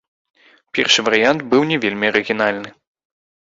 Першы варыянт быў не вельмі арыгінальны.